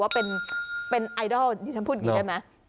ว่าเป็นไอโดลนี่ฉันพูดได้ไหม